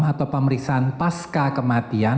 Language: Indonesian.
atau pemeriksaan pasca kematian